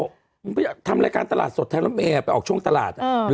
ถ้าเราทำรายการตลาดสดแทนละม่าไปออกช่วงตลาด